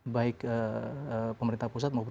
baik pemerintah pusat maupun